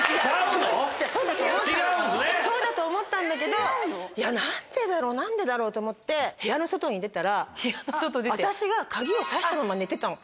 そうだと思ったんだけど「何でだろう？何でだろう？」と思って部屋の外に出たら私が鍵を挿したまま寝てたの。